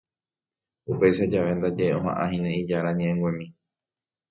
Upéicha jave ndaje oha'ãhína ijára ñe'ẽnguemi